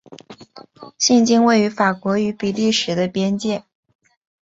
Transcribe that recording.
现今位于法国与比利时的边界。